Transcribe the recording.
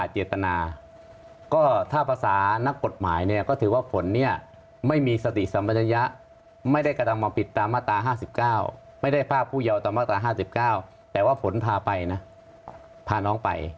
เจตนาก็ถ้าภาษานักกฎหมายเนี่ยก็ถือว่าฝนเนี่ยไม่มีสติสัมปัญญะไม่ได้กระทำความผิดตามมาตรา๕๙ไม่ได้ภาพผู้เยาว์ตามมาตรา๕๙แต่ว่าฝนพาไปนะพาน้องไป